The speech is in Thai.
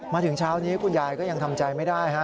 มาถึงเช้านี้คุณยายก็ยังทำใจไม่ได้